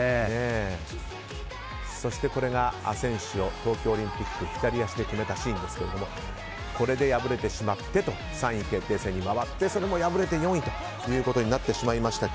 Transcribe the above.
そして、アセンシオ東京オリンピック左足で決めたシーンですがこれで敗れてしまって３位決定戦に回ってそれも敗れて４位ということになってしまいましたが。